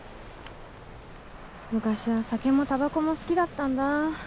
昔は酒もタバコも好きだったんだ。